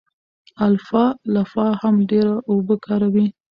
الفالفا هم ډېره اوبه کاروي.